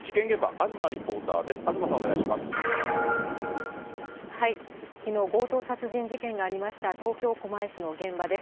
東さん、きのう、強盗殺人事件がありました東京・狛江市の現場です。